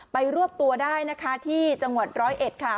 ไปรวบตัวได้นะคะที่จังหวัด๑๐๑ค่ะ